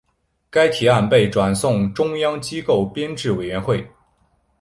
该提案被转送中央机构编制委员会。